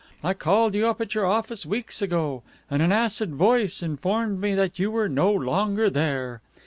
I called you up at your office weeks ago, and an acid voice informed me that you were no longer there.